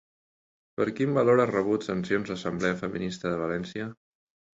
Per quin valor ha rebut sancions l'Assemblea Feminista de València?